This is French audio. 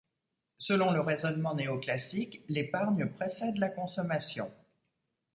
Selon le raisonnement néoclassique, l'épargne précède la consommation.